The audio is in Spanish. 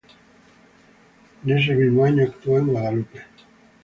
En ese mismo año actuó en "Guadalupe".